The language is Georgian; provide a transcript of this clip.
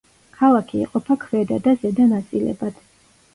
ქალაქი იყოფა ქვედა და ზედა ნაწილებად.